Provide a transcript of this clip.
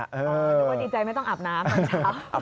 คนดีใจไม่ต้องอาบน้ำตอนเช้า